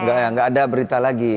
enggak ya enggak ada berita lagi